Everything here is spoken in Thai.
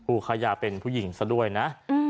ค่ายาเป็นผู้หญิงซะด้วยนะ